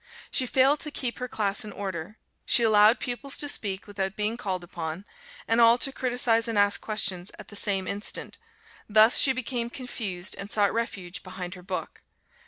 She failed to keep her class in order; she allowed pupils to speak without being called upon, and all to criticise and ask questions at the same instant thus she became confused and sought refuge behind her book.